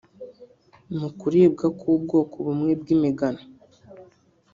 mu kuribwa ku bwoko bumwe bw’imigano